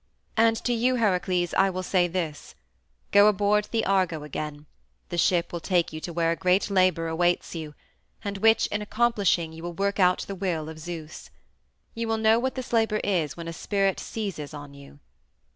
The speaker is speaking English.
And to you, Heracles, I will say this: Go aboard the Argo again; the ship will take you to where a great labor awaits you, and which, in accomplishing, you will work out the will of Zeus. You will know what this labor is when a spirit seizes on you."